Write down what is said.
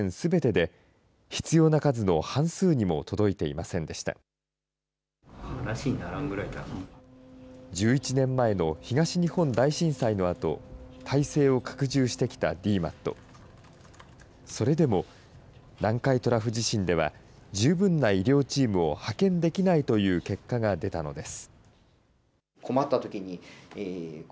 それでも南海トラフ地震では、十分な医療チームを派遣できないという結果が出たのです。